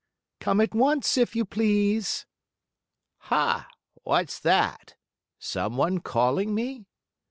Come at once, if you please!" "Ha! What's that? Some one calling me?"